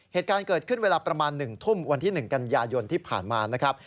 เหตุการณ์เกิดขึ้นเวลาประมาณ๑ทุ่มวันที่๑กันยายนที่ผ่านมานะครับ